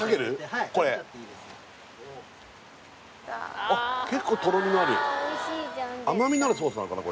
はいあ結構とろみのある甘みのあるソースなのかな